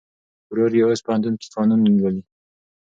ورور یې اوس پوهنتون کې قانون لولي.